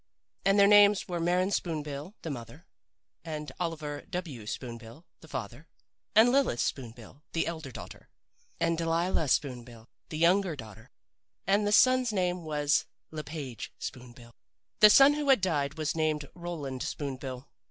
And their names were Maren Spoon bill, the mother; and Oliver W. Spoon bill, the father; and Lilith Spoon bill, the elder daughter; and Delilah Spoon bill, the younger daughter. And the son's name was Le Page Spoon bill. "The son who had died was named Roland Spoon bill.